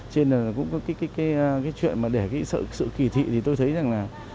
trên là cũng có cái chuyện mà để cái sự kỳ thị thì tôi thấy rằng là